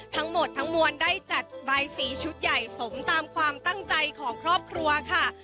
ทั้งหมดทั้งมวลได้จัดบายสีชุดใหญ่สมตามความตั้งใจของครอบครัวค่ะ